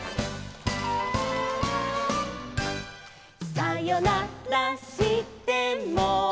「さよならしても」